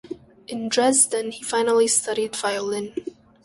In Dresden he finally studied violin.